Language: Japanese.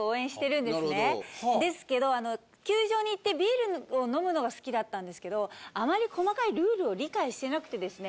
ですけど球場に行ってビールを飲むのが好きだったんですけどあまり細かいルールを理解してなくてですね